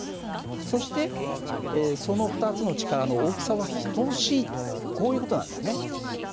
そしてその２つの力の大きさは等しいとこういう事なんだね。